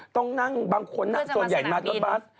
ต้องนั่งบางคนนั่งส่วนใหญ่มารถบัส